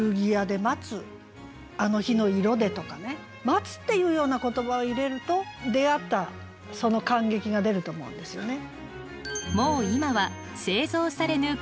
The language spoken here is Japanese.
「待つ」っていうような言葉を入れると出会ったその感激が出ると思うんですよね。